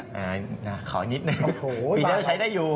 ขอนิดหนึ่งปีเดียวใช้ได้อยู่